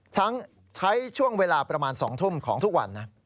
ใช้ช่วงเวลาประมาณ๒ทุ่มของทุกวันนะ